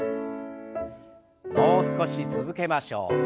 もう少し続けましょう。